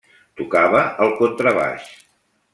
Tocava el contrabaix.